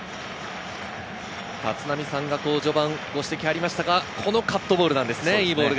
立浪さんが序盤に指摘されましたが、このカットボールですね。